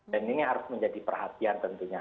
dan ini harus menjadi perhatian tentunya